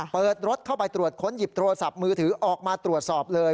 เปิดรถเข้าไปตรวจค้นหยิบโทรศัพท์มือถือออกมาตรวจสอบเลย